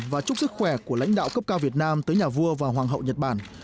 và chúc sức khỏe của lãnh đạo cấp cao việt nam tới nhà vua và hoàng hậu nhật bản